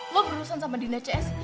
lo berurusan sama dinda cs